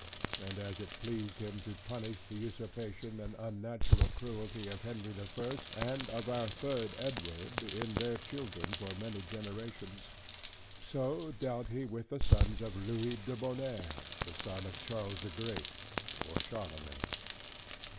And as it pleased him to punish the usurpation, and unnatural cruelty of Henry the First, and of our third Edward, in their children for many generations: so dealt He with the sons of Louis Debonnaire, the son of Charles the Great, or Charlemagne.